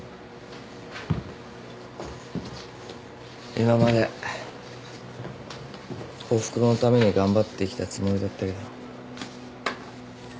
今までおふくろのために頑張ってきたつもりだったけど。